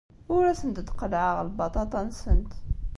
Ur asent-d-qellɛeɣ lbaṭaṭa-nsent.